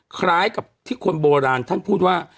คล้ายกับที่คนโบราณท่านพูดว่า